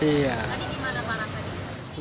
tadi gimana parah tadi